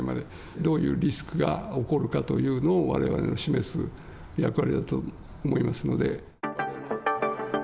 どういうリスクが起こるかというのを、示すのがわれわれの役割だと思いますので。